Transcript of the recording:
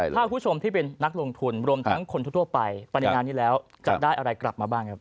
ถ้าคุณผู้ชมที่เป็นนักลงทุนรวมทั้งคนทั่วไปไปในงานนี้แล้วจะได้อะไรกลับมาบ้างครับ